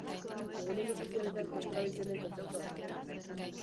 Mugimendu sozialetan asko erabiltzen den kontzeptua da.